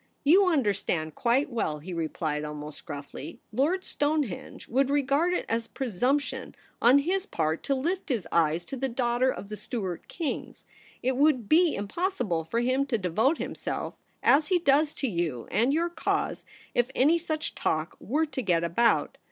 * You understand quite well,' he replied almost gruffly. ' Lord Stonehenge would regard it as presumption on his part to lift his eyes to the daughter of the Stuart kings. It would be impossible for him to devote himself as he does to you and your cause if any such talk were to get about.